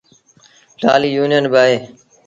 ٽآلهيٚ يونيٚن با اهي